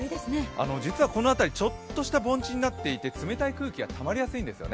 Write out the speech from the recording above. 実はこの辺り、ちょっとした盆地になっていて冷たい空気がたまりやすいんですよね。